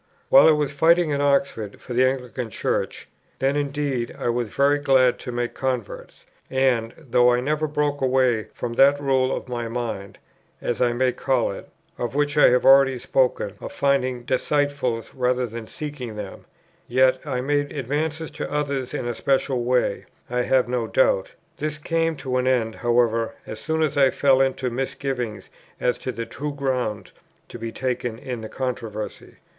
While I was fighting in Oxford for the Anglican Church, then indeed I was very glad to make converts, and, though I never broke away from that rule of my mind, (as I may call it,) of which I have already spoken, of finding disciples rather than seeking them, yet, that I made advances to others in a special way, I have no doubt; this came to an end, however, as soon as I fell into misgivings as to the true ground to be taken in the controversy.